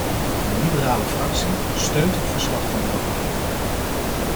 De liberale fractie steunt het verslag van de rapporteur.